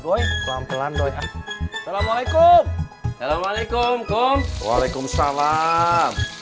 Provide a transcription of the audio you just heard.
doi pelan pelan doi assalamualaikum waalaikumsalam